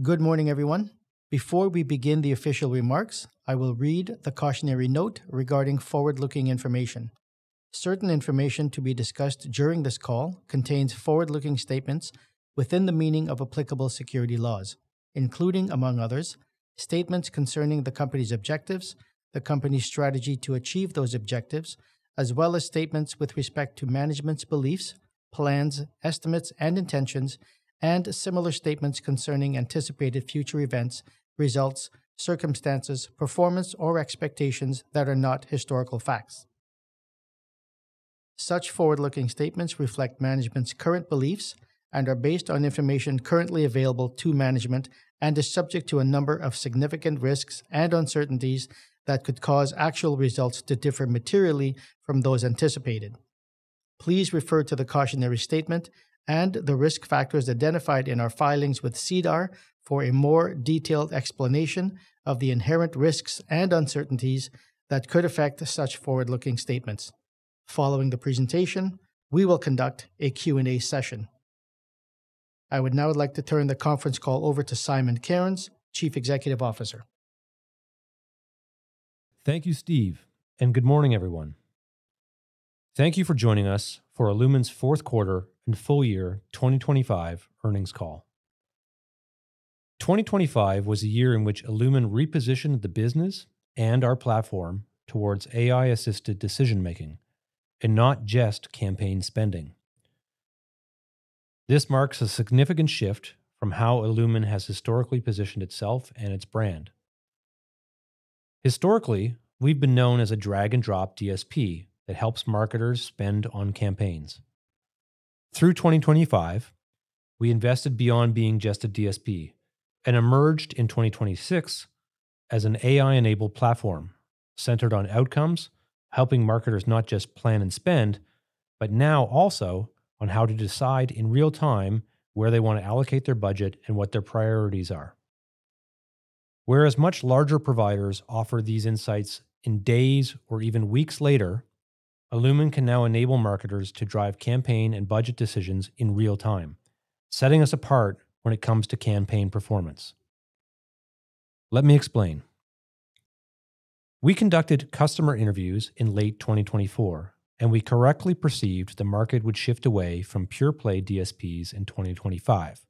Good morning, everyone. Before we begin the official remarks, I will read the cautionary note regarding forward-looking information. Certain information to be discussed during this call contains forward-looking statements within the meaning of applicable securities laws, including, among others, statements concerning the company's objectives, the company's strategy to achieve those objectives, as well as statements with respect to management's beliefs, plans, estimates and intentions, and similar statements concerning anticipated future events, results, circumstances, performance, or expectations that are not historical facts. Such forward-looking statements reflect management's current beliefs and are based on information currently available to management and is subject to a number of significant risks and uncertainties that could cause actual results to differ materially from those anticipated. Please refer to the cautionary statement and the risk factors identified in our filings with SEDAR for a more detailed explanation of the inherent risks and uncertainties that could affect such forward-looking statements. Following the presentation, we will conduct a Q&A session. I would now like to turn the conference call over to Simon Cairns, Chief Executive Officer. Thank you, Steve, and good morning, everyone. Thank you for joining us for illumin's fourth quarter and full year 2025 earnings call. 2025 was a year in which illumin repositioned the business and our platform towards AI-assisted decision-making and not just campaign spending. This marks a significant shift from how illumin has historically positioned itself and its brand. Historically, we've been known as a drag and drop DSP that helps marketers spend on campaigns. Through 2025, we invested beyond being just a DSP and emerged in 2026 as an AI-enabled platform centered on outcomes, helping marketers not just plan and spend, but now also on how to decide in real time where they want to allocate their budget and what their priorities are. Whereas much larger providers offer these insights in days or even weeks later, illumin can now enable marketers to drive campaign and budget decisions in real time, setting us apart when it comes to campaign performance. Let me explain. We conducted customer interviews in late 2024, and we correctly perceived the market would shift away from pure play DSPs in 2025.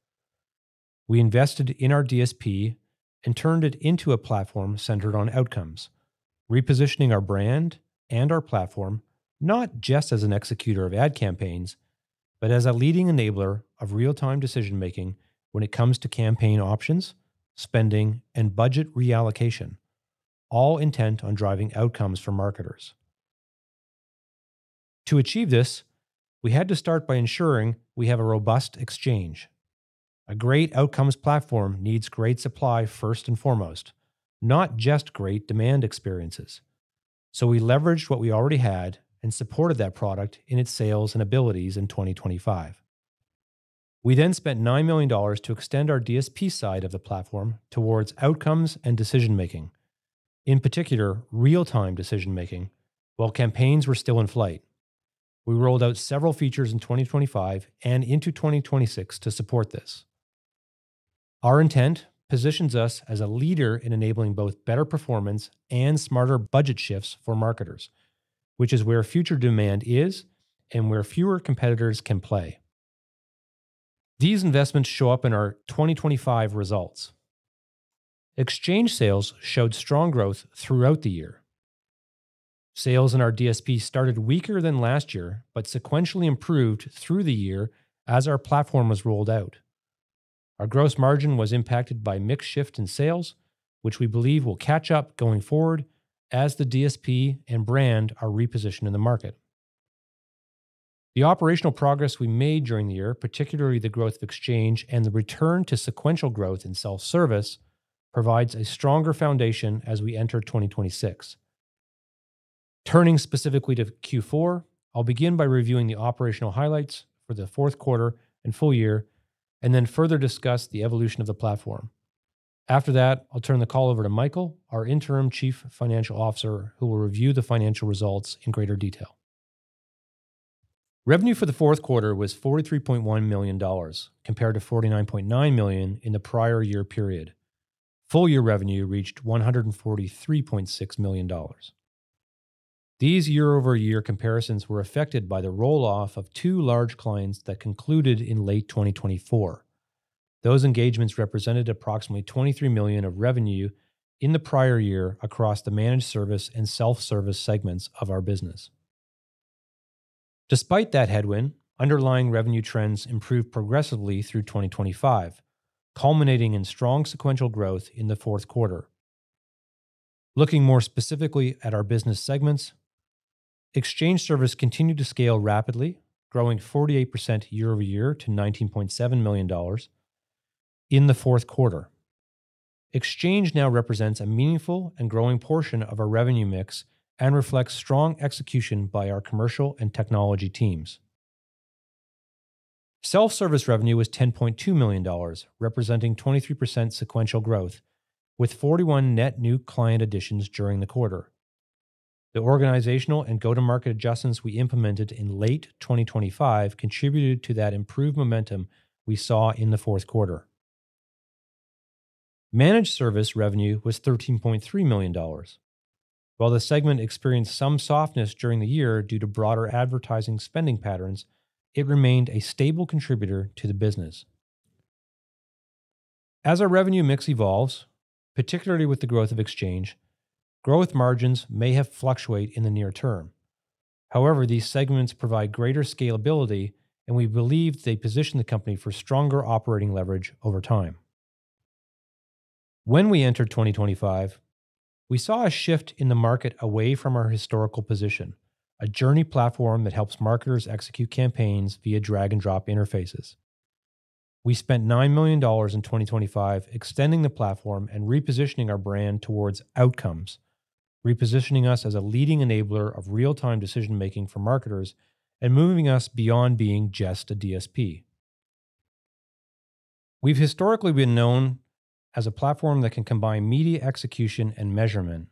We invested in our DSP and turned it into a platform centered on outcomes, repositioning our brand and our platform not just as an executor of ad campaigns, but as a leading enabler of real-time decision-making when it comes to campaign options, spending, and budget reallocation, all intent on driving outcomes for marketers. To achieve this, we had to start by ensuring we have a robust exchange. A great outcomes platform needs great supply first and foremost, not just great demand experiences. We leveraged what we already had and supported that product in its sales and abilities in 2025. We spent 9 million dollars to extend our DSP side of the platform towards outcomes and decision-making, in particular real-time decision-making, while campaigns were still in flight. We rolled out several features in 2025 and into 2026 to support this. Our intent positions us as a leader in enabling both better performance and smarter budget shifts for marketers, which is where future demand is and where fewer competitors can play. These investments show up in our 2025 results. Exchange sales showed strong growth throughout the year. Sales in our DSP started weaker than last year, but sequentially improved through the year as our platform was rolled out. Our gross margin was impacted by mix shift in sales, which we believe will catch up going forward as the DSP and brand are repositioned in the market. The operational progress we made during the year, particularly the growth of exchange and the return to sequential growth in self-service, provides a stronger foundation as we enter 2026. Turning specifically to Q4, I'll begin by reviewing the operational highlights for the fourth quarter and full year, and then further discuss the evolution of the platform. After that, I'll turn the call over to Michael, our Interim Chief Financial Officer, who will review the financial results in greater detail. Revenue for the fourth quarter was 43.1 million dollars compared to 49.9 million in the prior year period. Full year revenue reached 143.6 million dollars. These year-over-year comparisons were affected by the roll off of two large clients that concluded in late 2024. Those engagements represented approximately 23 million of revenue in the prior year across the managed service and self-service segments of our business. Despite that headwind, underlying revenue trends improved progressively through 2025, culminating in strong sequential growth in the fourth quarter. Looking more specifically at our business segments, exchange service continued to scale rapidly, growing 48% year-over-year to 19.7 million dollars in the fourth quarter. Exchange now represents a meaningful and growing portion of our revenue mix and reflects strong execution by our commercial and technology teams. Self-service revenue was 10.2 million dollars, representing 23% sequential growth with 41 net new client additions during the quarter. The organizational and go-to-market adjustments we implemented in late 2025 contributed to that improved momentum we saw in the fourth quarter. Managed service revenue was 13.3 million dollars. While the segment experienced some softness during the year due to broader advertising spending patterns, it remained a stable contributor to the business. As our revenue mix evolves, particularly with the growth of exchange, growth margins may have fluctuate in the near term. However, these segments provide greater scalability, and we believe they position the company for stronger operating leverage over time. When we entered 2025, we saw a shift in the market away from our historical position, a journey platform that helps marketers execute campaigns via drag-and-drop interfaces. We spent 9 million dollars in 2025 extending the platform and repositioning our brand towards outcomes, repositioning us as a leading enabler of real-time decision-making for marketers and moving us beyond being just a DSP. We've historically been known as a platform that can combine media execution and measurement,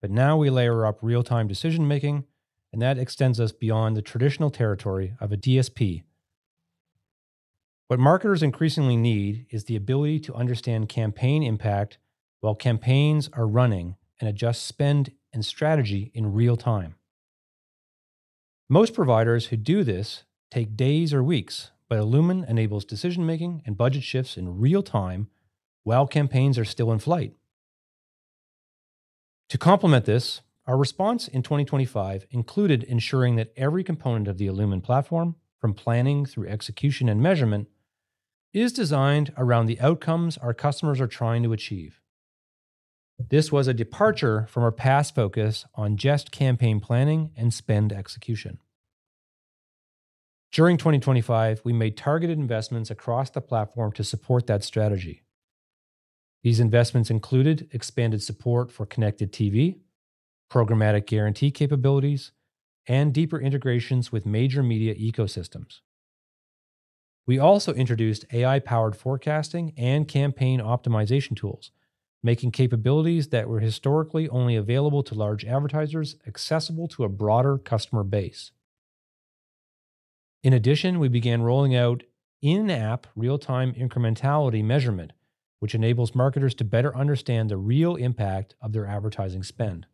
but now we layer up real-time decision-making, and that extends us beyond the traditional territory of a DSP. What marketers increasingly need is the ability to understand campaign impact while campaigns are running and adjust spend and strategy in real time. Most providers who do this take days or weeks, but illumin enables decision-making and budget shifts in real time while campaigns are still in flight. To complement this, our response in 2025 included ensuring that every component of the illumin platform, from planning through execution and measurement, is designed around the outcomes our customers are trying to achieve. This was a departure from our past focus on just campaign planning and spend execution. During 2025, we made targeted investments across the platform to support that strategy. These investments included expanded support for connected TV, programmatic guarantee capabilities, and deeper integrations with major media ecosystems. We also introduced AI-powered forecasting and campaign optimization tools, making capabilities that were historically only available to large advertisers accessible to a broader customer base. In addition, we began rolling out in-app real-time incrementality measurement, which enables marketers to better understand the real impact of their advertising spend.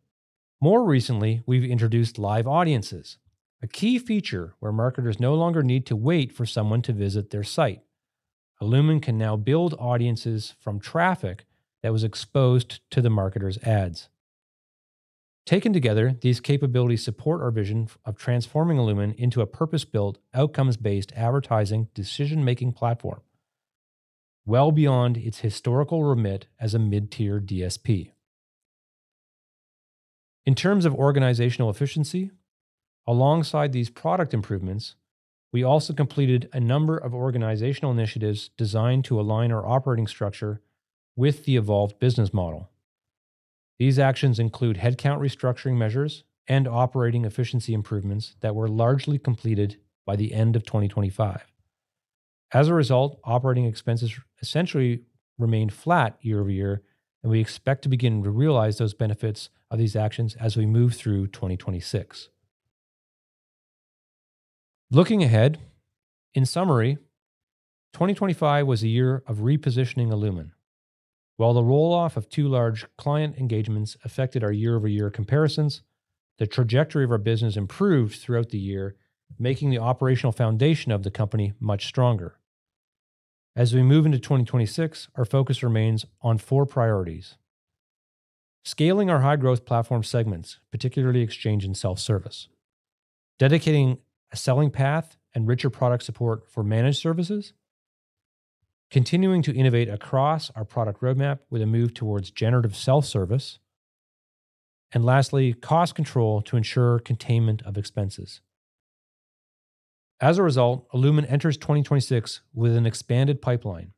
More recently, we've introduced live audiences, a key feature where marketers no longer need to wait for someone to visit their site. illumin can now build audiences from traffic that was exposed to the marketer's ads. Taken together, these capabilities support our vision of transforming illumin into a purpose-built, outcomes-based advertising decision-making platform, well beyond its historical remit as a mid-tier DSP. In terms of organizational efficiency, alongside these product improvements, we also completed a number of organizational initiatives designed to align our operating structure with the evolved business model. These actions include headcount restructuring measures and operating efficiency improvements that were largely completed by the end of 2025. As a result, operating expenses essentially remained flat year-over-year, and we expect to begin to realize those benefits of these actions as we move through 2026. Looking ahead, in summary, 2025 was a year of repositioning illumin. While the roll-off of two large client engagements affected our year-over-year comparisons, the trajectory of our business improved throughout the year, making the operational foundation of the company much stronger. As we move into 2026, our focus remains on four priorities, scaling our high-growth platform segments, particularly exchange and self-service, dedicating a selling path and richer product support for managed services, continuing to innovate across our product roadmap with a move towards generative self-service, and lastly, cost control to ensure containment of expenses. As a result, illumin enters 2026 with an expanded pipeline,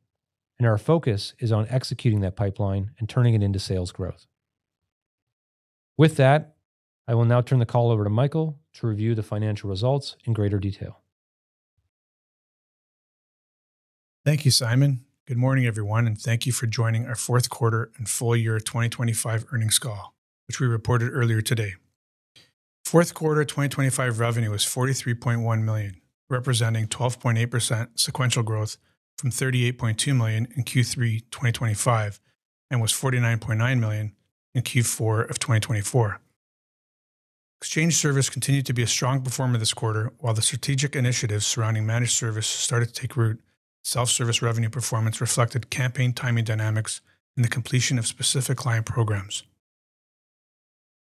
and our focus is on executing that pipeline and turning it into sales growth. With that, I will now turn the call over to Michael to review the financial results in greater detail. Thank you, Simon. Good morning, everyone, and thank you for joining our fourth quarter and full year 2025 earnings call, which we reported earlier today. Fourth quarter 2025 revenue was 43.1 million, representing 12.8% sequential growth from 38.2 million in Q3 2025 and was 49.9 million in Q4 of 2024. Exchange service continued to be a strong performer this quarter, while the strategic initiatives surrounding managed service started to take root. Self-service revenue performance reflected campaign timing dynamics and the completion of specific client programs.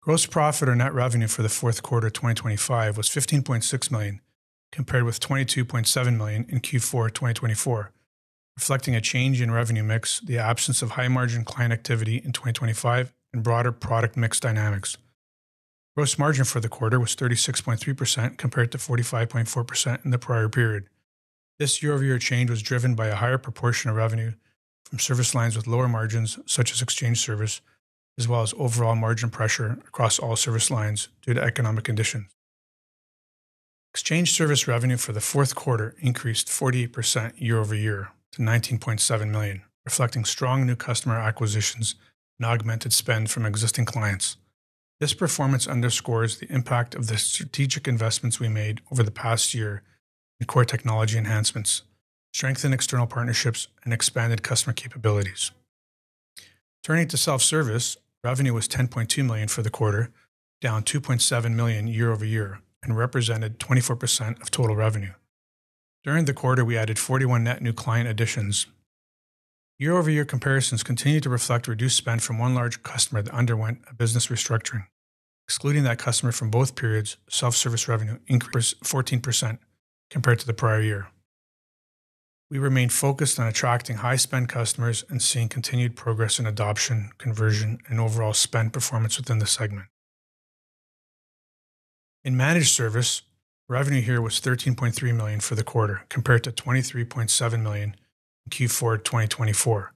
Gross profit or net revenue for the fourth quarter 2025 was 15.6 million, compared with 22.7 million in Q4 2024, reflecting a change in revenue mix, the absence of high-margin client activity in 2025, and broader product mix dynamics. Gross margin for the quarter was 36.3% compared to 45.4% in the prior period. This year-over-year change was driven by a higher proportion of revenue from service lines with lower margins, such as exchange service, as well as overall margin pressure across all service lines due to economic conditions. Exchange service revenue for the fourth quarter increased 48% year-over-year to 19.7 million, reflecting strong new customer acquisitions and augmented spend from existing clients. This performance underscores the impact of the strategic investments we made over the past year in core technology enhancements, strengthened external partnerships, and expanded customer capabilities. Turning to self-service, revenue was 10.2 million for the quarter, down 2.7 million year-over-year and represented 24% of total revenue. During the quarter, we added 41 net new client additions. Year-over-year comparisons continue to reflect reduced spend from one large customer that underwent a business restructuring. Excluding that customer from both periods, self-service revenue increased 14% compared to the prior year. We remain focused on attracting high spend customers and seeing continued progress in adoption, conversion, and overall spend performance within the segment. In managed service, revenue here was 13.3 million for the quarter compared to 23.7 million in Q4 2024.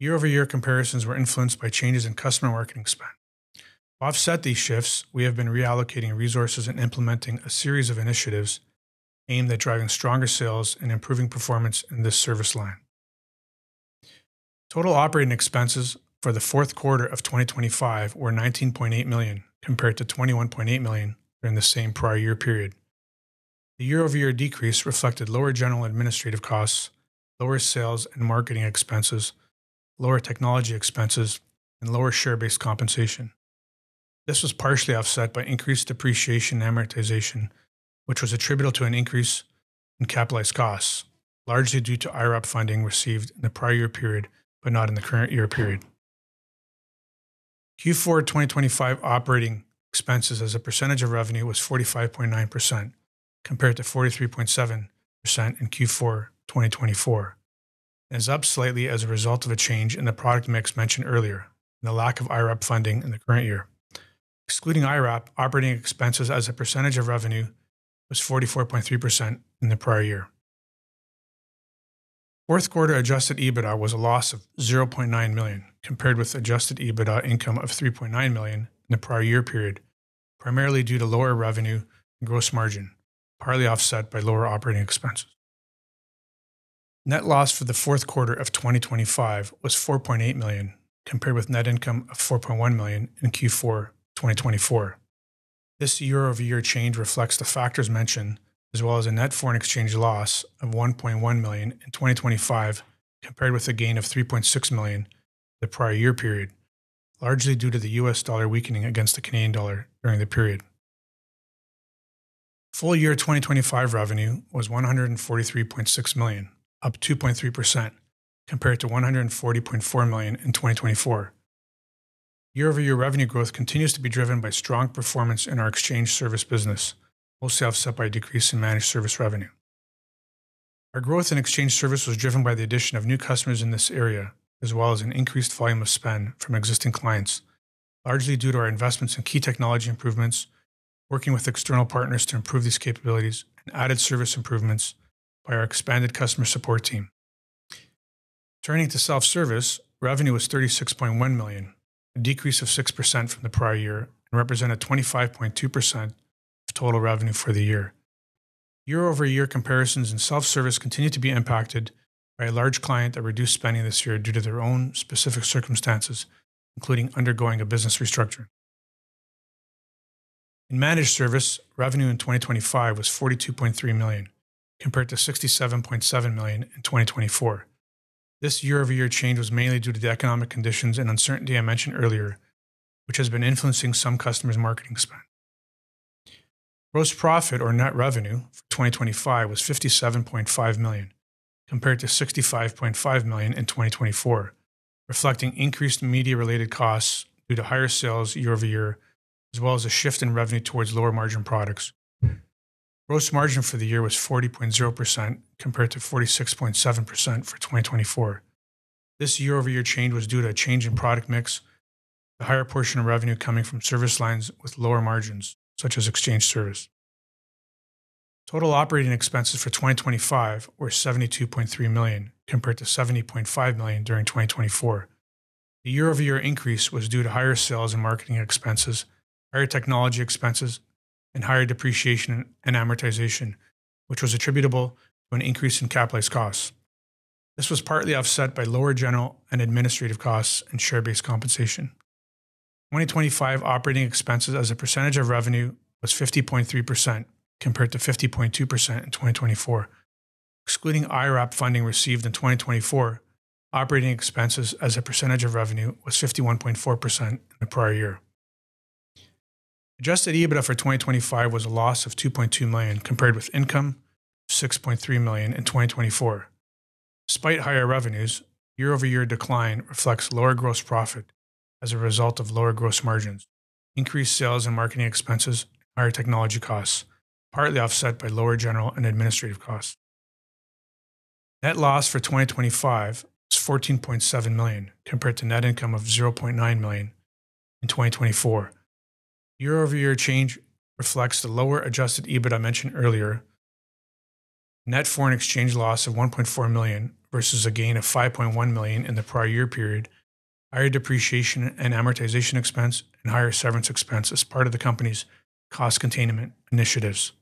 Year-over-year comparisons were influenced by changes in customer marketing spend. To offset these shifts, we have been reallocating resources and implementing a series of initiatives aimed at driving stronger sales and improving performance in this service line. Total operating expenses for the fourth quarter of 2025 were 19.8 million, compared to 21.8 million during the same prior year period. The year-over-year decrease reflected lower general administrative costs, lower sales and marketing expenses, lower technology expenses, and lower share-based compensation. This was partially offset by increased depreciation and amortization, which was attributable to an increase in capitalized costs, largely due to IRAP funding received in the prior year period, but not in the current year period. Q4 2025 operating expenses as a percentage of revenue was 45.9% compared to 43.7% in Q4 2024, and is up slightly as a result of a change in the product mix mentioned earlier, and the lack of IRAP funding in the current year. Excluding IRAP, operating expenses as a percentage of revenue was 44.3% in the prior year. Fourth quarter Adjusted EBITDA was a loss of 0.9 million, compared with Adjusted EBITDA income of 3.9 million in the prior year period, primarily due to lower revenue and gross margin, partly offset by lower operating expenses. Net loss for the fourth quarter of 2025 was 4.8 million, compared with net income of 4.1 million in Q4 2024. This year-over-year change reflects the factors mentioned, as well as a net foreign exchange loss of 1.1 million in 2025, compared with a gain of 3.6 million the prior year period, largely due to the U.S. dollar weakening against the Canadian dollar during the period. Full year 2025 revenue was 143.6 million, up 2.3% compared to 140.4 million in 2024. Year-over-year revenue growth continues to be driven by strong performance in our exchange service business, mostly offset by a decrease in managed service revenue. Our growth in exchange service was driven by the addition of new customers in this area, as well as an increased volume of spend from existing clients, largely due to our investments in key technology improvements, working with external partners to improve these capabilities and added service improvements by our expanded customer support team. Turning to self-service, revenue was 36.1 million, a decrease of 6% from the prior year, and represented 25.2% of total revenue for the year. Year-over-year comparisons in self-service continued to be impacted by a large client that reduced spending this year due to their own specific circumstances, including undergoing a business restructure. In managed service, revenue in 2025 was 42.3 million, compared to 67.7 million in 2024. This year-over-year change was mainly due to the economic conditions and uncertainty I mentioned earlier, which has been influencing some customers' marketing spend. Gross profit or net revenue for 2025 was 57.5 million, compared to 65.5 million in 2024, reflecting increased media-related costs due to higher sales year-over-year, as well as a shift in revenue towards lower margin products. Gross margin for the year was 40.0% compared to 46.7% for 2024. This year-over-year change was due to a change in product mix, with a higher portion of revenue coming from service lines with lower margins, such as exchange service. Total operating expenses for 2025 were 72.3 million, compared to 70.5 million during 2024. The year-over-year increase was due to higher sales and marketing expenses, higher technology expenses, and higher depreciation and amortization, which was attributable to an increase in capitalized costs. This was partly offset by lower general and administrative costs and share-based compensation. 2025 operating expenses as a percentage of revenue was 50.3% compared to 50.2% in 2024. Excluding IRAP funding received in 2024, operating expenses as a percentage of revenue was 51.4% in the prior year. Adjusted EBITDA for 2025 was a loss of 2.2 million, compared with income of 6.3 million in 2024. Despite higher revenues, year-over-year decline reflects lower gross profit as a result of lower gross margins, increased sales and marketing expenses, and higher technology costs, partly offset by lower general and administrative costs. Net loss for 2025 was 14.7 million, compared to net income of 0.9 million in 2024. Year-over-year change reflects the lower adjusted EBITDA mentioned earlier. Net foreign exchange loss of 1.4 million versus a gain of 5.1 million in the prior year period. Higher depreciation and amortization expense and higher severance expense as part of the company's cost containment initiatives.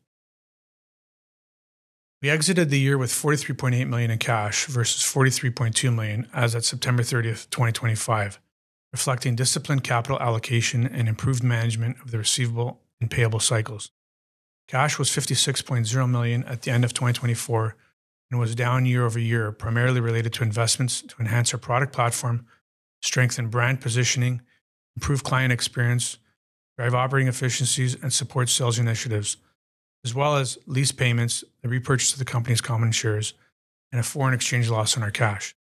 We exited the year with 43.8 million in cash versus 43.2 million as at September 30th, 2025, reflecting disciplined capital allocation and improved management of the receivable and payable cycles. Cash was 56.0 million at the end of 2024 and was down year-over-year, primarily related to investments to enhance our product platform, strengthen brand positioning, improve client experience, drive operating efficiencies and support sales initiatives, as well as lease payments and repurchase of the company's common shares and a foreign exchange loss on our cash.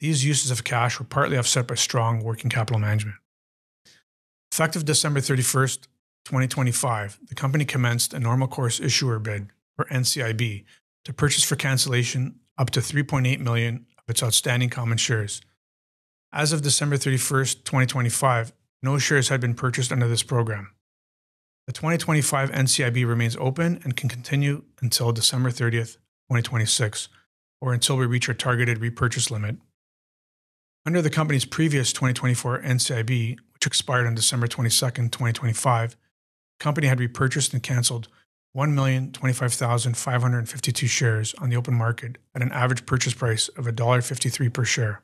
These uses of cash were partly offset by strong working capital management. Effective December 31st, 2025, the company commenced a normal course issuer bid, or NCIB, to purchase for cancellation up to 3.8 million of its outstanding common shares. As of December 31st, 2025, no shares had been purchased under this program. The 2025 NCIB remains open and can continue until December 30th, 2026, or until we reach our targeted repurchase limit. Under the company's previous 2024 NCIB, which expired on December 22nd, 2025, the company had repurchased and canceled 1,025,552 shares on the open market at an average purchase price of dollar 1.53 per share.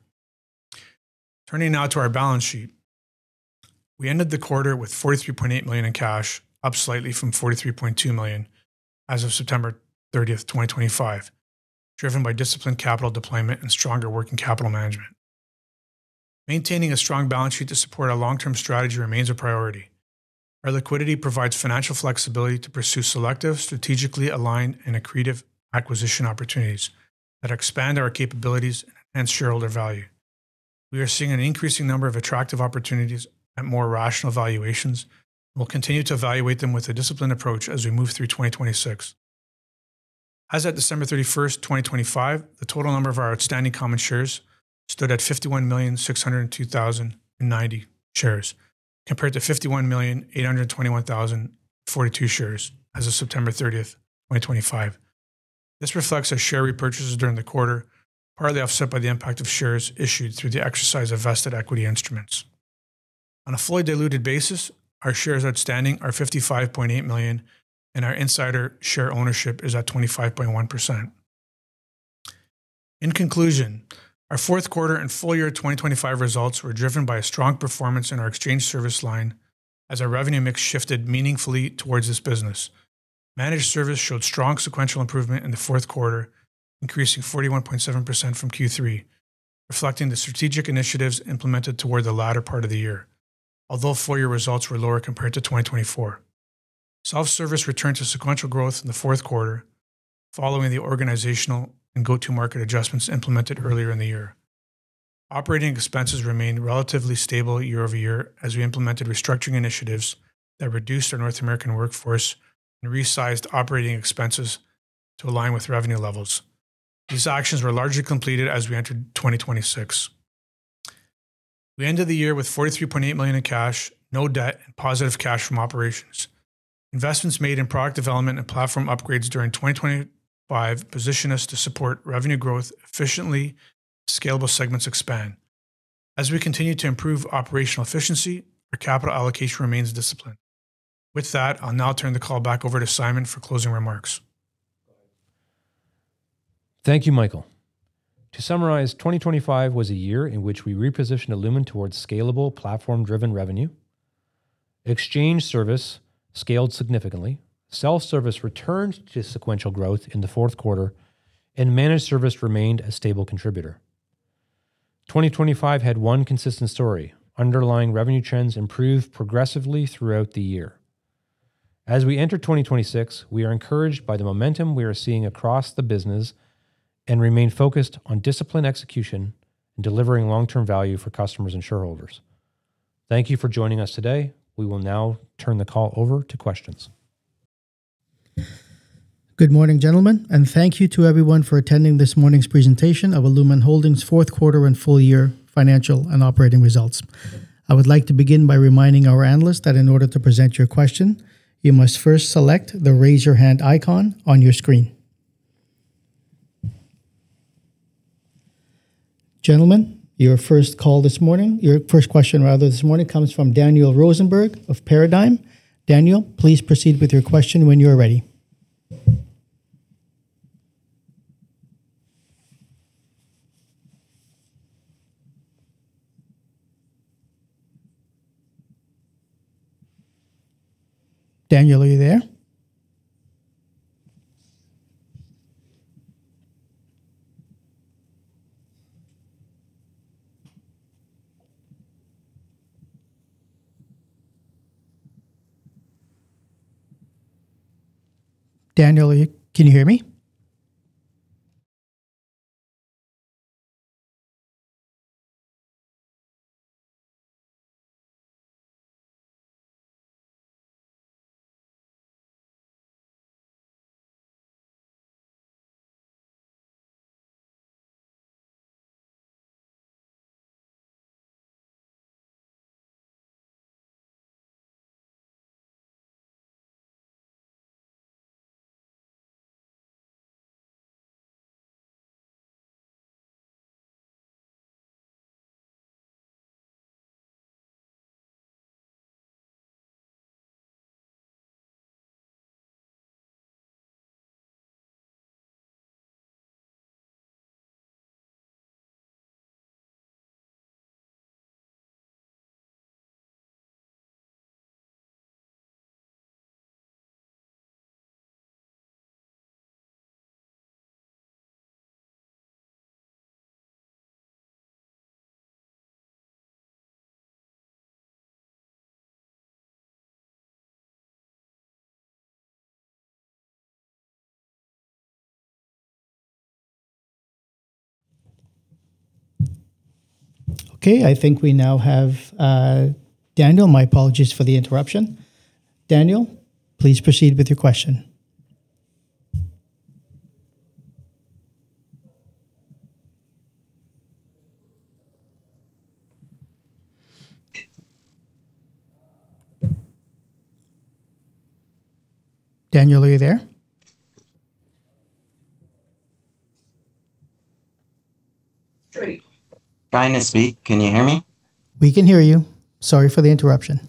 Turning now to our balance sheet. We ended the quarter with 43.8 million in cash, up slightly from 43.2 million as of September 30th, 2025, driven by disciplined capital deployment and stronger working capital management. Maintaining a strong balance sheet to support our long-term strategy remains a priority. Our liquidity provides financial flexibility to pursue selective, strategically aligned, and accretive acquisition opportunities that expand our capabilities and shareholder value. We are seeing an increasing number of attractive opportunities at more rational valuations, and we'll continue to evaluate them with a disciplined approach as we move through 2026. As of December 31st, 2025, the total number of our outstanding common shares stood at 51,602,090 shares, compared to 51,821,042 shares as of September 30th, 2025. This reflects our share repurchases during the quarter, partly offset by the impact of shares issued through the exercise of vested equity instruments. On a fully diluted basis, our shares outstanding are 55.8 million, and our insider share ownership is at 25.1%. In conclusion, our fourth quarter and full year 2025 results were driven by a strong performance in our exchange service line as our revenue mix shifted meaningfully towards this business. Managed service showed strong sequential improvement in the fourth quarter, increasing 41.7% from Q3, reflecting the strategic initiatives implemented toward the latter part of the year, although full year results were lower compared to 2024. Self-service returned to sequential growth in the fourth quarter following the organizational and go-to market adjustments implemented earlier in the year. Operating expenses remained relatively stable year over year as we implemented restructuring initiatives that reduced our North American workforce and resized operating expenses to align with revenue levels. These actions were largely completed as we entered 2026. We ended the year with 43.8 million in cash, no debt, and positive cash from operations. Investments made in product development and platform upgrades during 2025 position us to support revenue growth efficiently as scalable segments expand. As we continue to improve operational efficiency, our capital allocation remains disciplined. With that, I'll now turn the call back over to Simon for closing remarks. Thank you, Michael. To summarize, 2025 was a year in which we repositioned illumin towards scalable, platform-driven revenue. Exchange service scaled significantly. Self-service returned to sequential growth in the fourth quarter, and managed service remained a stable contributor. 2025 had one consistent story. Underlying revenue trends improved progressively throughout the year. As we enter 2026, we are encouraged by the momentum we are seeing across the business and remain focused on disciplined execution and delivering long-term value for customers and shareholders. Thank you for joining us today. We will now turn the call over to questions. Good morning, gentlemen, and thank you to everyone for attending this morning's presentation of illumin Holdings' fourth quarter and full year financial and operating results. I would like to begin by reminding our analysts that in order to present your question, you must first select the Raise Your Hand icon on your screen. Gentlemen, your first question rather this morning comes from Daniel Rosenberg of Paradigm. Daniel, please proceed with your question when you are ready. Daniel, are you there? Daniel, can you hear me? Okay. I think we now have, Daniel. My apologies for the interruption. Daniel, please proceed with your question. Daniel, are you there? Trying to speak. Can you hear me? We can hear you. Sorry for the interruption.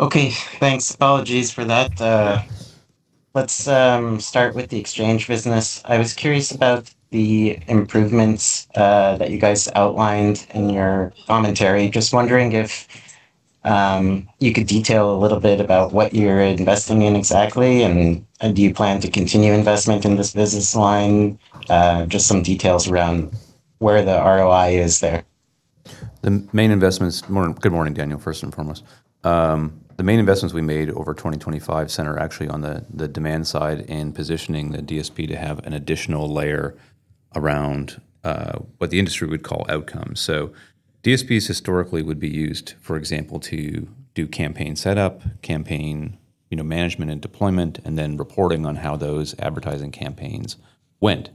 Okay, thanks. Apologies for that. Let's start with the exchange business. I was curious about the improvements that you guys outlined in your commentary. Just wondering if you could detail a little bit about what you're investing in exactly, and do you plan to continue investment in this business line? Just some details around where the ROI is there. Good morning, Daniel, first and foremost. The main investments we made over 2025 center actually on the demand side in positioning the DSP to have an additional layer around what the industry would call outcomes. DSPs historically would be used, for example, to do campaign setup, campaign, you know, management and deployment, and then reporting on how those advertising campaigns went.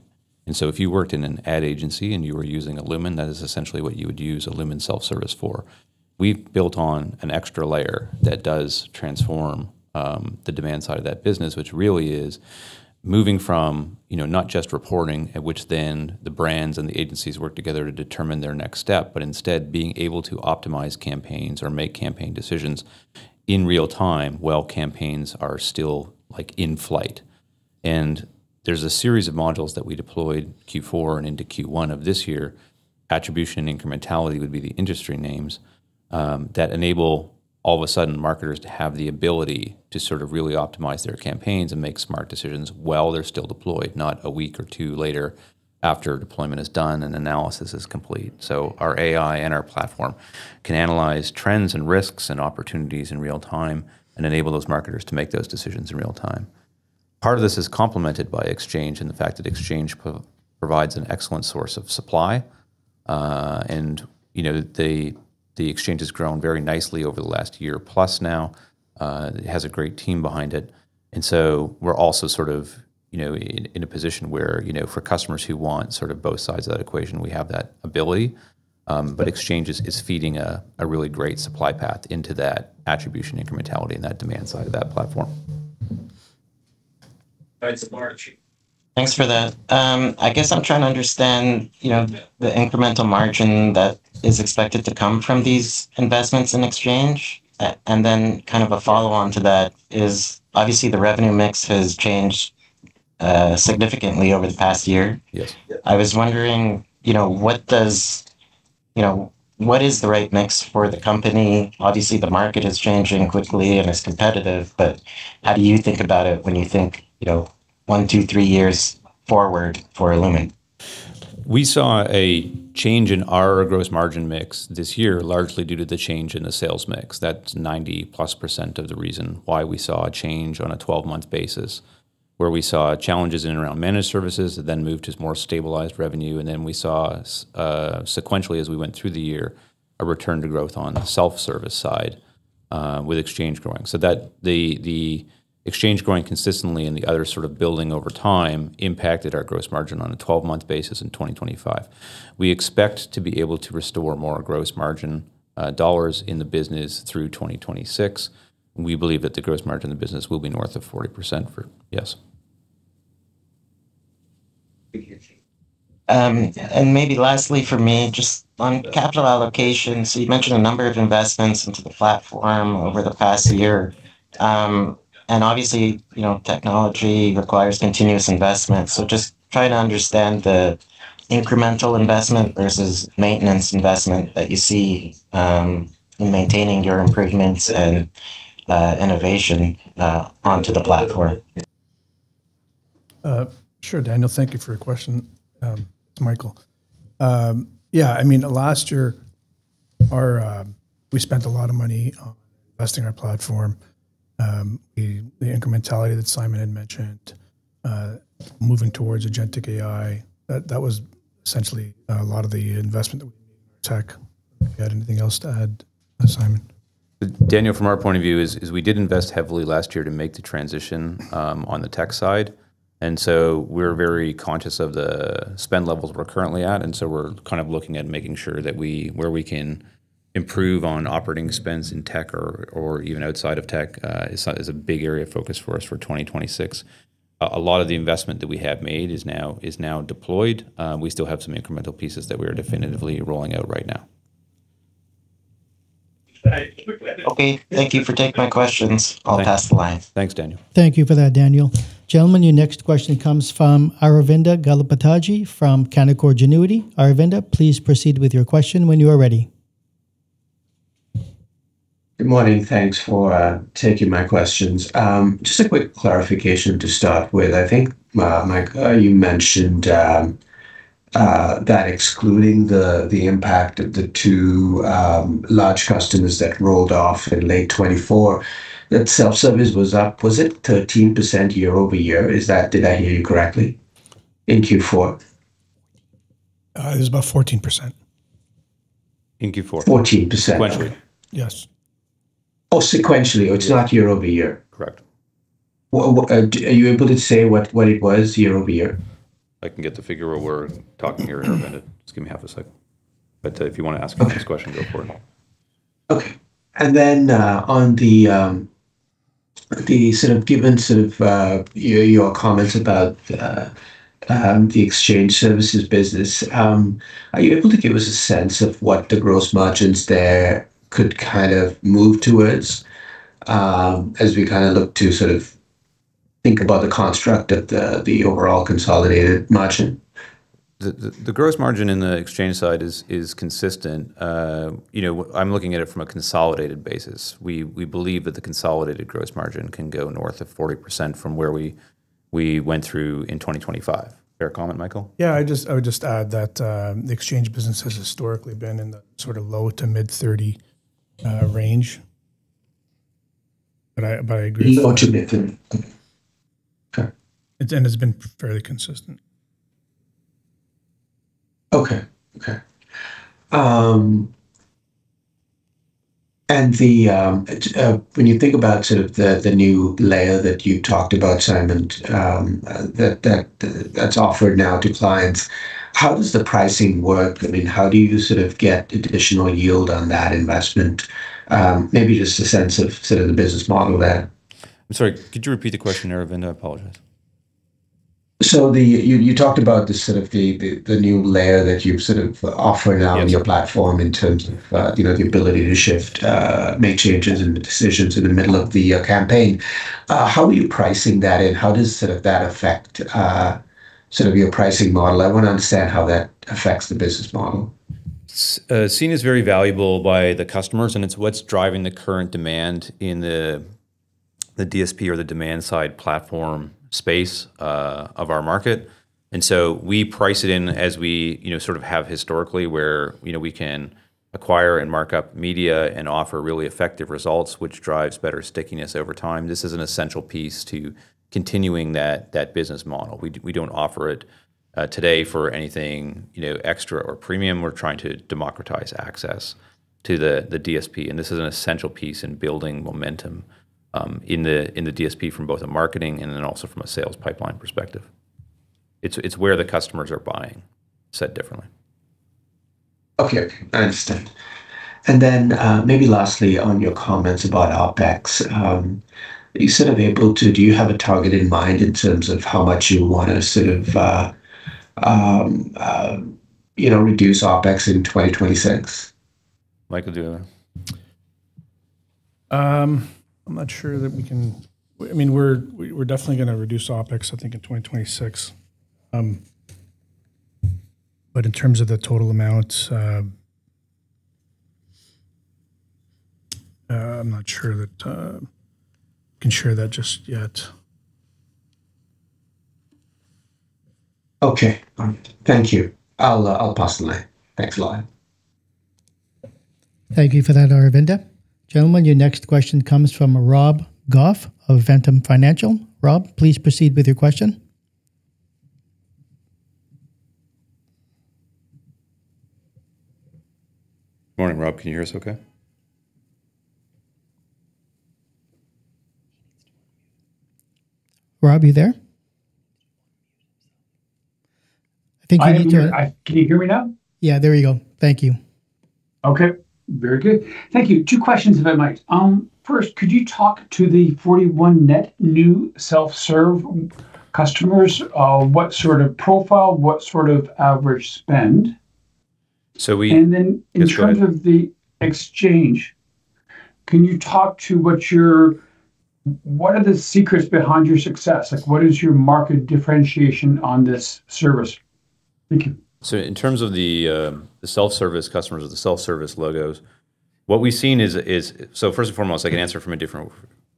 If you worked in an ad agency and you were using illumin, that is essentially what you would use illumin self-service for. We've built on an extra layer that does transform the demand side of that business, which really is moving from, you know, not just reporting at which then the brands and the agencies work together to determine their next step, but instead being able to optimize campaigns or make campaign decisions in real-time while campaigns are still, like, in flight. There's a series of modules that we deployed Q4 and into Q1 of this year. Attribution and incrementality would be the industry names that enable all of a sudden marketers to have the ability to sort of really optimize their campaigns and make smart decisions while they're still deployed, not a week or two later after deployment is done and analysis is complete. Our AI and our platform can analyze trends and risks and opportunities in real time and enable those marketers to make those decisions in real time. Part of this is complemented by Exchange and the fact that Exchange provides an excellent source of supply. You know, the Exchange has grown very nicely over the last year plus now. It has a great team behind it. We're also sort of, you know, in a position where, you know, for customers who want sort of both sides of that equation, we have that ability. Exchange is feeding a really great supply path into that attribution incrementality and that demand side of that platform. Thanks for that. I guess I'm trying to understand, you know, the incremental margin that is expected to come from these investments in Exchange. Kind of a follow-on to that is obviously the revenue mix has changed, significantly over the past year. Yes. I was wondering, you know, what is the right mix for the company? Obviously, the market is changing quickly and is competitive, but how do you think about it when you think, you know, one, two, three years forward for illumin? We saw a change in our gross margin mix this year, largely due to the change in the sales mix. That's 90%+ of the reason why we saw a change on a 12-month basis, where we saw challenges in and around managed services that then moved to more stabilized revenue. We saw sequentially as we went through the year, a return to growth on the self-service side, with Exchange growing. The Exchange growing consistently and the other sort of building over time impacted our gross margin on a 12-month basis in 2025. We expect to be able to restore more gross margin dollars in the business through 2026. We believe that the gross margin of the business will be north of 40%. Maybe lastly for me, just on capital allocation. You mentioned a number of investments into the platform over the past year. Obviously, you know, technology requires continuous investment. Just trying to understand the incremental investment versus maintenance investment that you see, in maintaining your improvements and, innovation, onto the platform. Sure, Daniel. Thank you for your question. Michael. Yeah, I mean, last year we spent a lot of money on investing in our platform. The incrementality that Simon had mentioned, moving towards agentic AI, that was essentially a lot of the investment that we made in our tech. If you had anything else to add, Simon. Daniel, from our point of view, we did invest heavily last year to make the transition on the tech side. We're very conscious of the spend levels we're currently at, and so we're kind of looking at making sure that where we can improve on operating spends in tech or even outside of tech is a big area of focus for us for 2026. A lot of the investment that we have made is now deployed. We still have some incremental pieces that we are definitively rolling out right now. Okay. Thank you for taking my questions. I'll pass the line. Thanks, Daniel. Thank you for that, Daniel. Gentlemen, your next question comes from Aravinda Galappatthige from Canaccord Genuity. Aravinda, please proceed with your question when you are ready. Good morning. Thanks for taking my questions. Just a quick clarification to start with. I think, Mike, you mentioned that excluding the impact of the two large customers that rolled off in late 2024, that self-service was up. Was it 13% year-over-year? Did I hear you correctly in Q4? It was about 14%. In Q4. 14%. Sequentially. Yes. Oh, sequentially. It's not year-over-year. Correct. Well, what are you able to say what it was year-over-year? I can get the figure while we're talking here, Aravinda. Just give me half a second. If you wanna ask your next question, go for it. Okay. Given your comments about the exchange services business, are you able to give us a sense of what the gross margins there could kind of move towards as we kind of look to sort of think about the construct of the overall consolidated margin? The gross margin in the exchange side is consistent. You know, I'm looking at it from a consolidated basis. We believe that the consolidated gross margin can go north of 40% from where we went through in 2025. Fair comment, Michael? Yeah, I would just add that the exchange business has historically been in the sort of low- to mid-30s range. I agree with you. The ultimate then. Okay. It's been fairly consistent. Okay. When you think about sort of the new layer that you talked about, Simon, that's offered now to clients, how does the pricing work? I mean, how do you sort of get additional yield on that investment? Maybe just a sense of sort of the business model there. I'm sorry. Could you repeat the question, Aravinda? I apologize. You talked about the sort of new layer that you've sort of offered now. Yes. On your platform in terms of, you know, the ability to shift, make changes and decisions in the middle of the, campaign. How are you pricing that, and how does sort of that affect, sort of your pricing model? I want to understand how that affects the business model. It's seen as very valuable by the customers, and it's what's driving the current demand in the DSP or the demand side platform space of our market. We price it in as we, you know, sort of have historically where, you know, we can acquire and mark up media and offer really effective results, which drives better stickiness over time. This is an essential piece to continuing that business model. We don't offer it today for anything, you know, extra or premium. We're trying to democratize access to the DSP, and this is an essential piece in building momentum in the DSP from both a marketing and then also from a sales pipeline perspective. It's where the customers are buying, said differently. Okay. I understand. Maybe lastly on your comments about OpEx, are you sort of do you have a target in mind in terms of how much you want to sort of, you know, reduce OpEx in 2026? Michael, do you wanna? I mean, we're definitely gonna reduce OpEx, I think, in 2026. In terms of the total amount, I'm not sure that I can share that just yet. Okay. All right. Thank you. I'll pass the line. Thanks a lot. Thank you for that, Aravinda. Gentlemen, your next question comes from Rob Goff of Ventum Financial. Rob, please proceed with your question. Morning, Rob. Can you hear us okay? Rob, you there? Can you hear me now? Yeah, there you go. Thank you. Okay. Very good. Thank you. Two questions, if I might. First, could you talk to the 41 net new self-serve customers? What sort of profile, what sort of average spend? So we- In terms of the exchange, can you talk to what are the secrets behind your success? Like, what is your market differentiation on this service? Thank you. In terms of the self-service customers or the self-service logos, what we've seen is. First and foremost, I can answer from a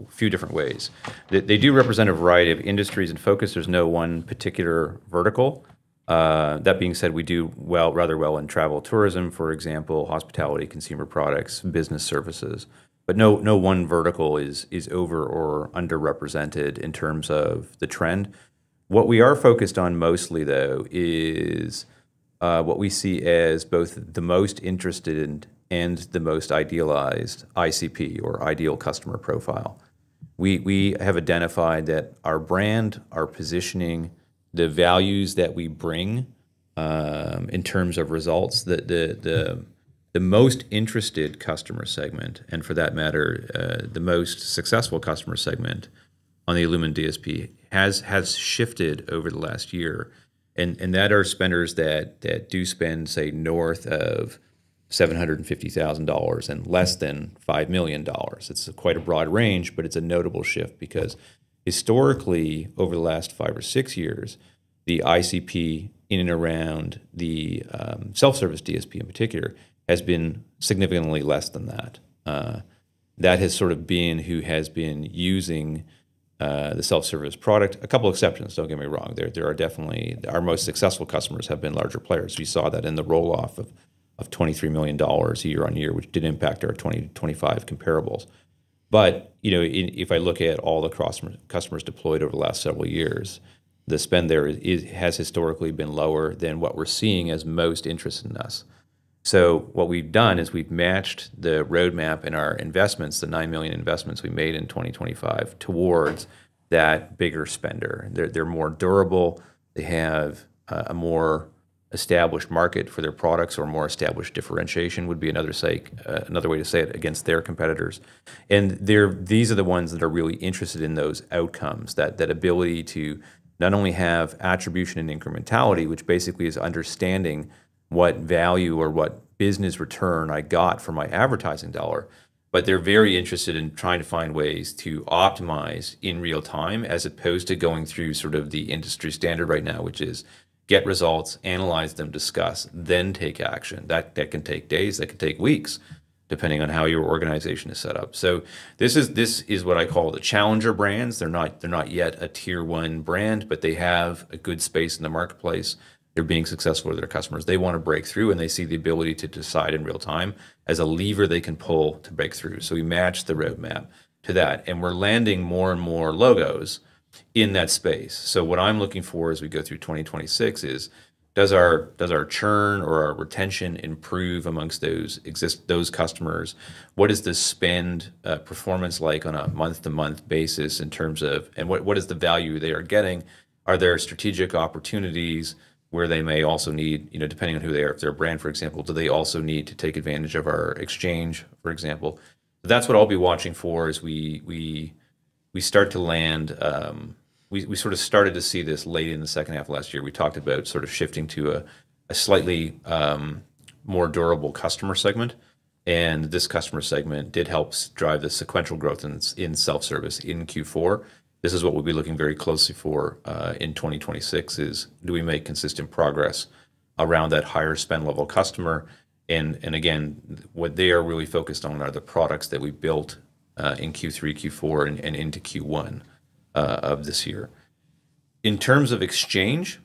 few different ways. They do represent a variety of industries and focus. There's no one particular vertical. That being said, we do rather well in travel, tourism, for example, hospitality, consumer products, business services. No one vertical is over or underrepresented in terms of the trend. What we are focused on mostly, though, is what we see as both the most interested and the most idealized ICP or ideal customer profile. We have identified that our brand, our positioning, the values that we bring, in terms of results, the most interested customer segment, and for that matter, the most successful customer segment on the illumin DSP has shifted over the last year. That are spenders that do spend, say, north of 750,000 dollars and less than 5 million dollars. It's quite a broad range, but it's a notable shift because historically, over the last five or six years, the ICP in and around the self-service DSP in particular has been significantly less than that. That has sort of been who has been using the self-service product. A couple exceptions, don't get me wrong. There are definitely. Our most successful customers have been larger players. We saw that in the roll-off of 23 million dollars year-on-year, which did impact our 2025 comparables. You know, if I look at all the customers deployed over the last several years, the spend there is has historically been lower than what we're seeing as most interested in us. What we've done is we've matched the roadmap in our investments, the 9 million investments we made in 2025, towards that bigger spender. They're more durable. They have a more established market for their products or more established differentiation would be another way to say it against their competitors. They're, these are the ones that are really interested in those outcomes, that ability to not only have attribution and incrementality, which basically is understanding what value or what business return I got for my advertising dollar, but they're very interested in trying to find ways to optimize in real time, as opposed to going through sort of the industry standard right now, which is get results, analyze them, discuss, then take action. That can take days, that can take weeks, depending on how your organization is set up. This is what I call the challenger brands. They're not yet a tier one brand, but they have a good space in the marketplace. They're being successful with their customers. They wanna break through, and they see the ability to decide in real time as a lever they can pull to break through. We match the roadmap to that, and we're landing more and more logos in that space. What I'm looking for as we go through 2026 is, does our churn or our retention improve amongst those customers? What is the spend performance like on a month-to-month basis and what is the value they are getting? Are there strategic opportunities where they may also need, you know, depending on who they are, if they're a brand, for example, do they also need to take advantage of our exchange, for example? That's what I'll be watching for as we start to land. We sort of started to see this late in the second half of last year. We talked about sort of shifting to a slightly more durable customer segment, and this customer segment did help drive the sequential growth in self-service in Q4. This is what we'll be looking very closely for in 2026, is do we make consistent progress around that higher spend level customer? Again, what they are really focused on are the products that we built in Q3, Q4, and into Q1 of this year. In terms of exchange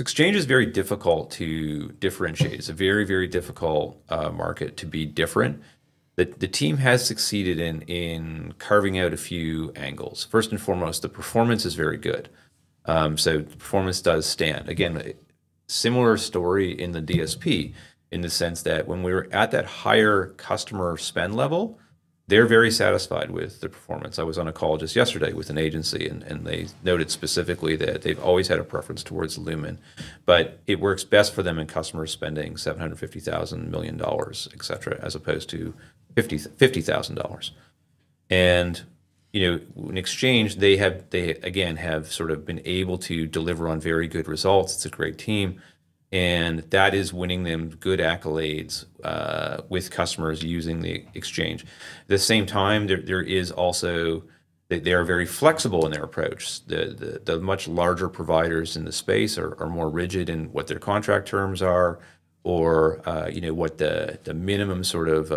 is very difficult to differentiate. It's a very, very difficult market to be different. The team has succeeded in carving out a few angles. First and foremost, the performance is very good. The performance does stand. Again, similar story in the DSP in the sense that when we're at that higher customer spend level, they're very satisfied with the performance. I was on a call just yesterday with an agency, and they noted specifically that they've always had a preference towards illumin, but it works best for them in customer spending 750,000, 1 million dollars, et cetera, as opposed to 50,000 dollars. You know, in exchange, they again have sort of been able to deliver on very good results. It's a great team, and that is winning them good accolades with customers using the exchange. At the same time, there is also they are very flexible in their approach. The much larger providers in the space are more rigid in what their contract terms are or, you know, what the minimum sort of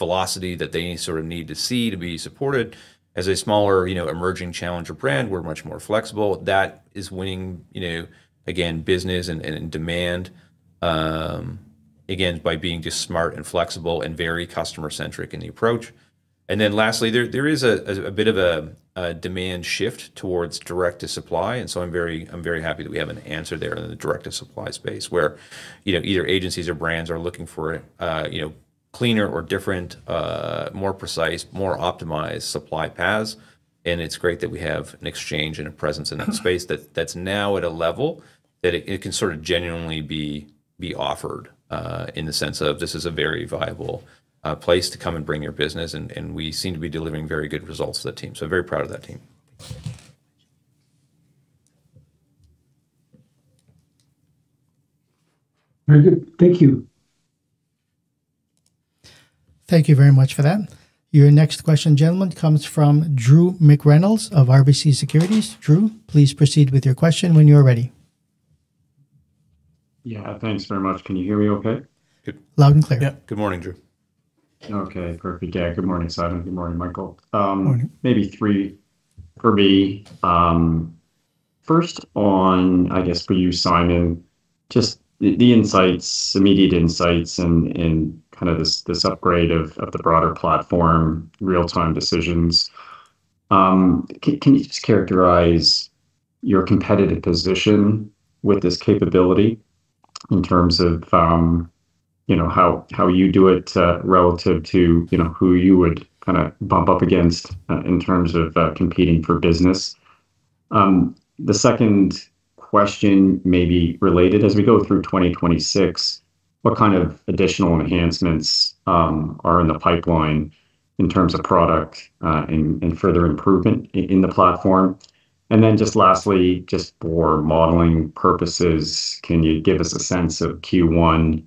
velocity that they sort of need to see to be supported. As a smaller, you know, emerging challenger brand, we're much more flexible. That is winning, you know, again, business and demand, again, by being just smart and flexible and very customer-centric in the approach. Lastly, there is a bit of a demand shift towards direct-to-supply, so I'm very happy that we have an answer there in the direct-to-supply space where, you know, either agencies or brands are looking for, you know, cleaner or different, more precise, more optimized supply paths. It's great that we have an exchange and a presence in that space that's now at a level that it can sort of genuinely be offered in the sense of this is a very viable place to come and bring your business. We seem to be delivering very good results to the team. Very proud of that team. Very good. Thank you. Thank you very much for that. Your next question, gentlemen, comes from Drew McReynolds of RBC Securities. Drew, please proceed with your question when you're ready. Yeah. Thanks very much. Can you hear me okay? Good. Loud and clear. Yeah. Good morning, Drew. Okay. Perfect. Yeah. Good morning, Simon. Good morning, Michael. Morning. Maybe three for me. First on, I guess, for you, Simon, just the immediate insights and kind of this upgrade of the broader platform, real-time decisions. Can you just characterize your competitive position with this capability in terms of, you know, how you do it relative to, you know, who you would kinda bump up against in terms of competing for business? The second question may be related. As we go through 2026, what kind of additional enhancements are in the pipeline in terms of product and further improvement in the platform? Then just lastly, just for modeling purposes, can you give us a sense of Q1,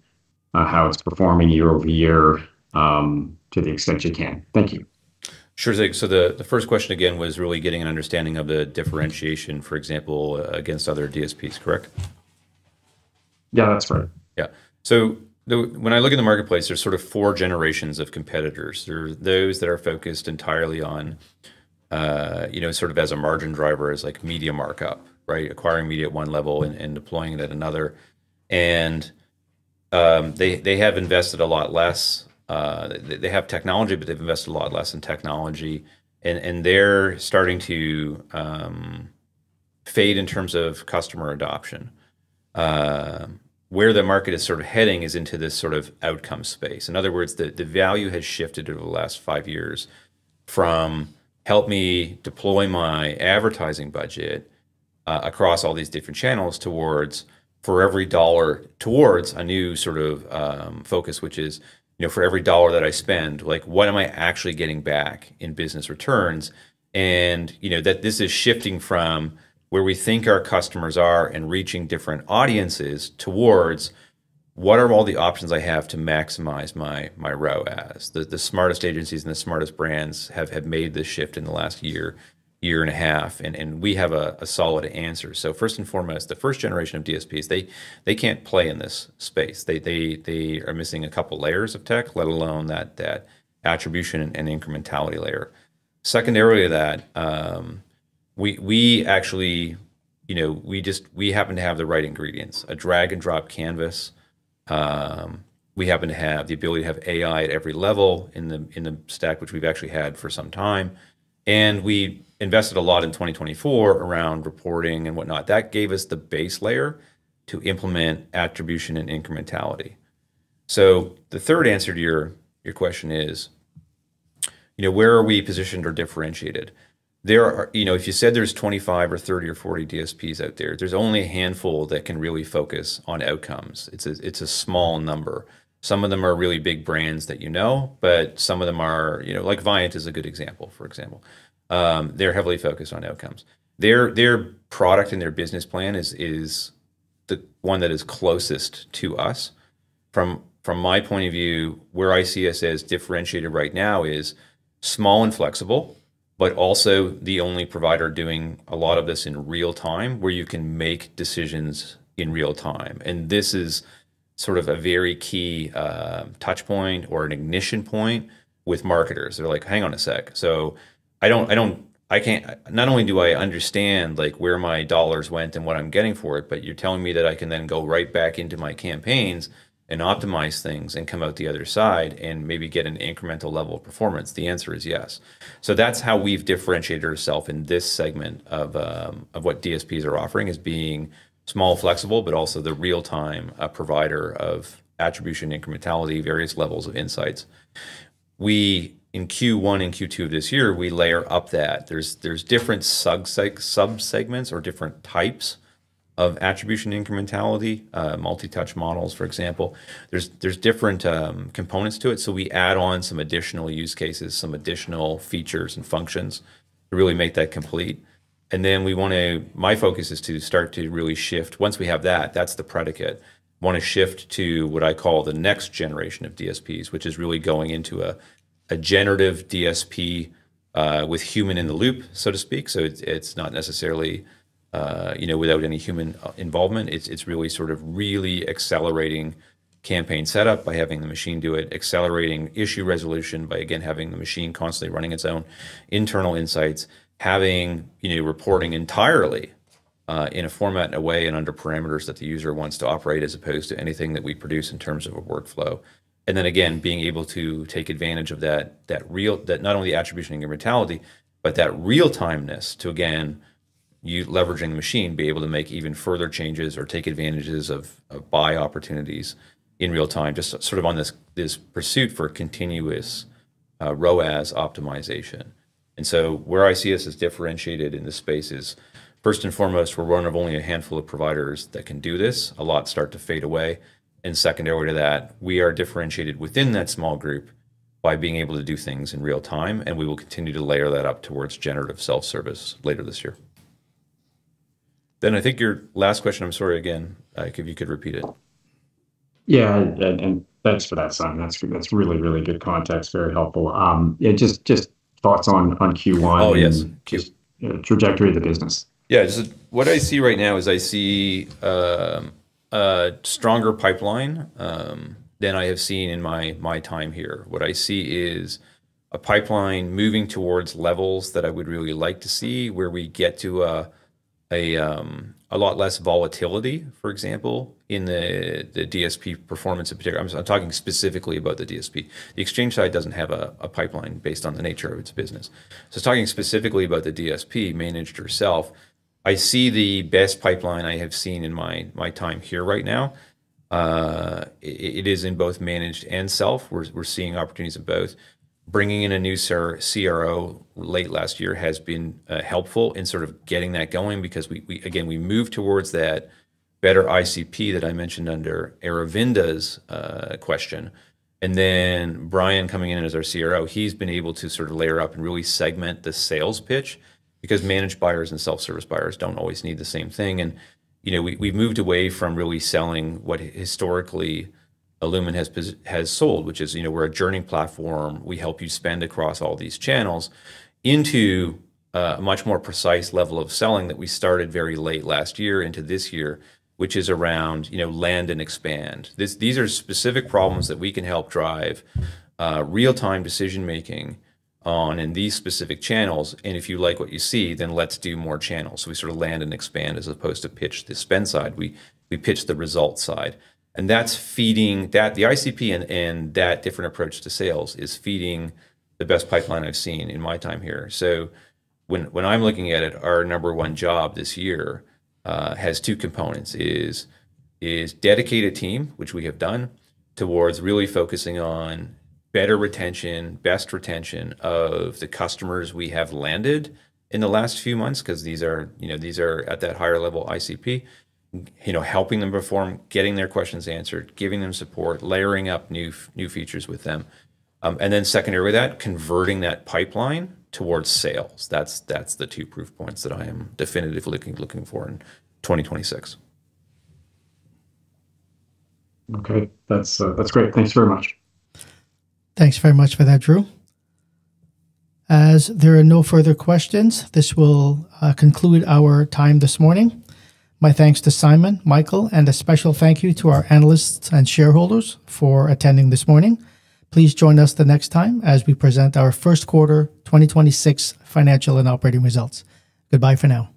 how it's performing year-over-year, to the extent you can? Thank you. Sure, Drew. The first question again was really getting an understanding of the differentiation, for example, against other DSPs, correct? Yeah, that's right. When I look in the marketplace, there's sort of four generations of competitors. There are those that are focused entirely on, you know, sort of as a margin driver as, like, media markup, right? Acquiring media at one level and deploying it at another. And they have invested a lot less. They have technology, but they've invested a lot less in technology and they're starting to fade in terms of customer adoption. Where the market is sort of heading is into this sort of outcome space. In other words, the value has shifted over the last five years from help me deploy my advertising budget across all these different channels towards for every dollar towards a new sort of focus, which is, you know, for every dollar that I spend, like, what am I actually getting back in business returns? You know, that this is shifting from where we think our customers are and reaching different audiences towards what are all the options I have to maximize my ROAS. The smartest agencies and the smartest brands have made this shift in the last year and a half, and we have a solid answer. First and foremost, the first generation of DSPs, they can't play in this space. They are missing a couple layers of tech, let alone that attribution and incrementality layer. Secondary to that, we actually, you know, we happen to have the right ingredients. A drag and drop canvas. We happen to have the ability to have AI at every level in the stack, which we've actually had for some time. We invested a lot in 2024 around reporting and whatnot. That gave us the base layer to implement attribution and incrementality. The third answer to your question is, you know, where are we positioned or differentiated? You know, if you said there's 25 or 30 or 40 DSPs out there's only a handful that can really focus on outcomes. It's a small number. Some of them are really big brands that you know, but some of them are. You know, like Viant is a good example, for example. They're heavily focused on outcomes. Their product and their business plan is the one that is closest to us. From my point of view, where I see us as differentiated right now is small and flexible, but also the only provider doing a lot of this in real time, where you can make decisions in real time. This is sort of a very key touch point or an ignition point with marketers. They're like, "Hang on a sec. So I don't. Not only do I understand, like, where my dollars went and what I'm getting for it, but you're telling me that I can then go right back into my campaigns and optimize things and come out the other side and maybe get an incremental level of performance?" The answer is yes. That's how we've differentiated ourselves in this segment of what DSPs are offering, is being small, flexible, but also the real-time provider of attribution, incrementality, various levels of insights. In Q1 and Q2 of this year, we layer up that. There's different sub-segments or different types of attribution incrementality, multi-touch models, for example. There's different components to it, so we add on some additional use cases, some additional features and functions to really make that complete. Then we want to my focus is to start to really shift. Once we have that's the predicate. Want to shift to what I call the next generation of DSPs, which is really going into a generative DSP with human in the loop, so to speak. It's not necessarily you know without any human involvement. It's really sort of accelerating campaign setup by having the machine do it, accelerating issue resolution by, again, having the machine constantly running its own internal insights. Having, you know, reporting entirely in a format and a way and under parameters that the user wants to operate as opposed to anything that we produce in terms of a workflow. Then again, being able to take advantage of that not only attribution incrementality, but that real-timeness to, again, leveraging the machine, be able to make even further changes or take advantages of buy opportunities in real time, just sort of on this pursuit for continuous ROAS optimization. Where I see us as differentiated in this space is, first and foremost, we're one of only a handful of providers that can do this. A lot start to fade away. Secondary to that, we are differentiated within that small group by being able to do things in real time, and we will continue to layer that up towards generative self-service later this year. I think your last question, I'm sorry again, if you could repeat it. Yeah. Thanks for that, Simon. That's really good context. Very helpful. Yeah, just thoughts on Q1. Oh, yes. Trajectory of the business. Yeah. Just what I see right now is I see a stronger pipeline than I have seen in my time here. What I see is a pipeline moving towards levels that I would really like to see, where we get to a lot less volatility, for example, in the DSP performance in particular. I'm talking specifically about the DSP. The exchange side doesn't have a pipeline based on the nature of its business. Talking specifically about the DSP, managed or self, I see the best pipeline I have seen in my time here right now. It is in both managed and self. We're seeing opportunities in both. Bringing in a new CRO late last year has been helpful in sort of getting that going because we again move towards that better ICP that I mentioned under Aravinda's question. Brian coming in as our CRO, he's been able to sort of layer up and really segment the sales pitch, because managed buyers and self-service buyers don't always need the same thing. You know, we've moved away from really selling what historically illumin has sold, which is, you know, we're a journey platform, we help you spend across all these channels, into a much more precise level of selling that we started very late last year into this year, which is around, you know, land and expand. These are specific problems that we can help drive real-time decision-making on in these specific channels, and if you like what you see, then let's do more channels. We sort of land and expand as opposed to pitch the spend side. We pitch the result side. That's feeding the ICP and that different approach to sales is feeding the best pipeline I've seen in my time here. When I'm looking at it, our number one job this year has two components, is dedicate a team, which we have done, towards really focusing on better retention, best retention of the customers we have landed in the last few months, 'cause these are, you know, these are at that higher level ICP. You know, helping them perform, getting their questions answered, giving them support, layering up new features with them. Secondary to that, converting that pipeline towards sales. That's the two proof points that I am definitively looking for in 2026. Okay. That's great. Thanks very much. Thanks very much for that, Drew. As there are no further questions, this will conclude our time this morning. My thanks to Simon, Michael, and a special thank you to our analysts and shareholders for attending this morning. Please join us the next time as we present our first quarter 2026 financial and operating results. Goodbye for now.